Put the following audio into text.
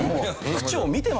区長。